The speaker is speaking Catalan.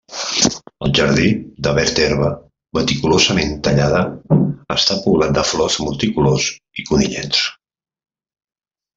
El jardí de verd herba meticulosament tallada està poblat de flors multicolors i conillets.